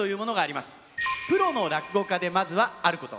プロの落語家でまずはあること。